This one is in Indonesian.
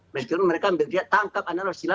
meskipun mereka berteriak tangkap anwar prasjila